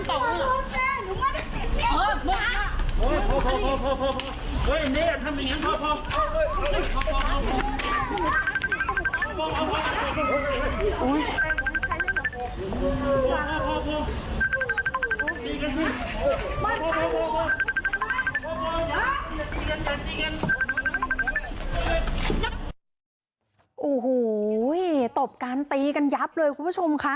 โอ้โหตบกันตีกันยับเลยคุณผู้ชมค่ะ